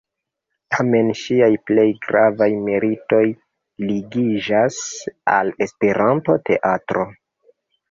Tamen ŝiaj plej gravaj meritoj ligiĝas al Esperanto-teatro.